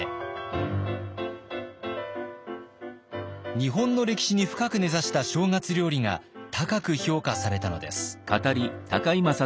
日本の歴史に深く根ざした正月料理が高く評価されたのです。